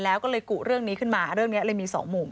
แล้วก็เลยกุเรื่องนี้ขึ้นมาเรื่องนี้เลยมีสองมุม